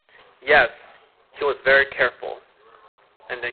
Yes, he was very careful.